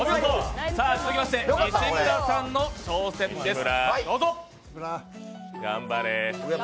続きまして、西村さんの挑戦です。